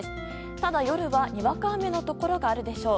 ただ、夜はにわか雨のところがあるでしょう。